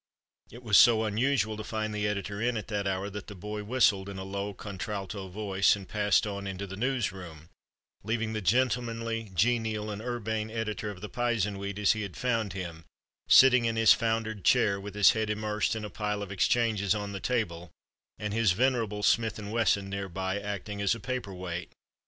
It was so unusual to find the editor in at that hour that the boy whistled in a low contralto voice, and passed on into the "news room," leaving the gentlemanly, genial and urbane editor of the Pizenweed as he had found him, sitting in his foundered chair, with his head immersed in a pile of exchanges on the table and his venerable Smith & Wesson near by, acting as a paper weight.